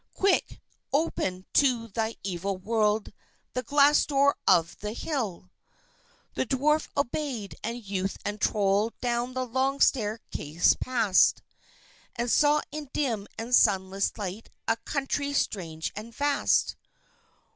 Quick! open, to thy evil world, the glass door of the hill!" The Dwarf obeyed; and youth and Troll down the long stairway passed, And saw in dim and sunless light a country strange and vast.